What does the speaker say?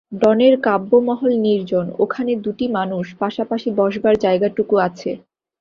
ডনের কাব্যমহল নির্জন, ওখানে দুটি মানুষ পাশাপাশি বসবার জায়গাটুকু আছে।